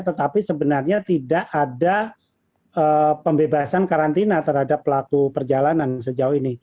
tetapi sebenarnya tidak ada pembebasan karantina terhadap pelaku perjalanan sejauh ini